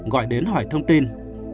gọi đến hỏi thông tin